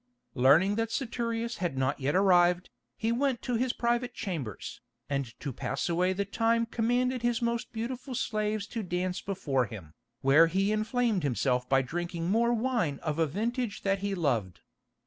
Learning that Saturius had not yet arrived, he went to his private chambers, and to pass away the time commanded his most beautiful slaves to dance before him, where he inflamed himself by drinking more wine of a vintage that he loved.